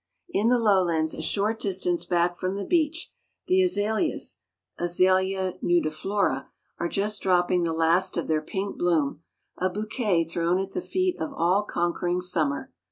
In the lowlands a short distance back from the beach, the azaleas (Azalea nudiflora) are just dropping the last of their pink bloom, a bouquet thrown at the feet of all conquering summer.